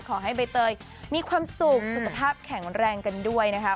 ขอให้ใบเตยมีความสุขสุขภาพแข็งแรงกันด้วยนะคะ